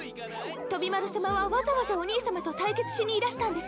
飛麿さまはわざわざお兄さまと対決しにいらしたんですよ。